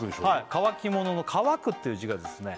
乾き物の「乾く」っていう字がですね